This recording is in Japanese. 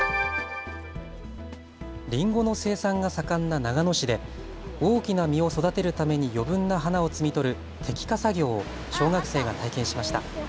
りんごの生産が盛んな長野市で大きな実を育てるために余分な花を摘み取る摘花作業を小学生が体験しました。